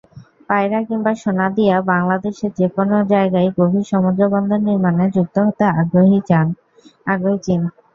পায়রা কিংবা সোনাদিয়া বাংলাদেশের যেকোনো জায়গায় গভীর সমুদ্রবন্দর নির্মাণে যুক্ত হতে আগ্রহী চীন।